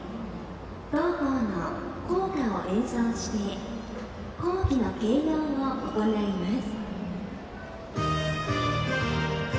同校の校歌を演奏して校旗の掲揚を行います。